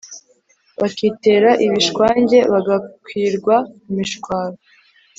Bakitera ibishwange bagakwirwa imishwaro